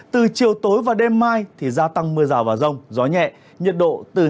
từ chiều tối và đêm mai thì gia tăng mưa rào và rông gió nhẹ nhiệt độ từ hai mươi ba hai mươi chín độ